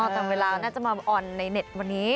ตามเวลาน่าจะมาออนในเน็ตวันนี้